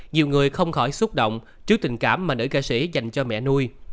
nhiều người không khỏi xúc động trước tình cảm mà nữ ca sĩ dành cho mẹ nuôi